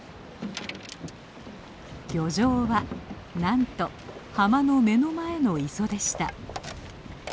漁場はなんと浜の目の前の磯でした。